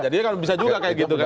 jadi kan bisa juga kayak gitu kan